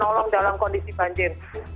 yang berpengalaman yang berpengalaman